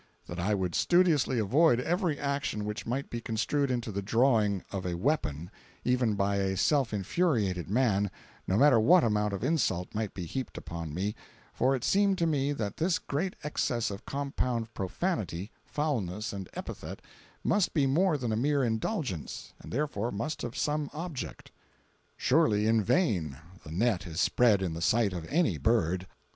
—That I would studiously avoid every action which might be construed into the drawing of a weapon, even by a self infuriated man, no matter what amount of insult might be heaped upon me, for it seemed to me that this great excess of compound profanity, foulness and epithet must be more than a mere indulgence, and therefore must have some object. "Surely in vain the net is spread in the sight of any bird."